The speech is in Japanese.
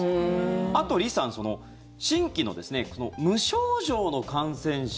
あと、リさん新規の無症状の感染者